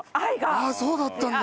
ああそうだったんだ。